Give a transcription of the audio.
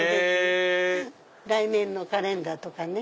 来年のカレンダーとかね。